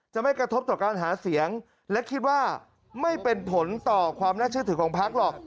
ไม่กระทบต่อการหาเสียงและคิดว่าไม่เป็นผลต่อความน่าเชื่อถือของพักหรอก